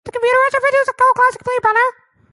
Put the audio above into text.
The company also produced the cult classic "Blade Runner".